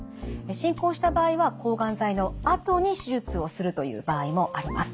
進行した場合は抗がん剤のあとに手術をするという場合もあります。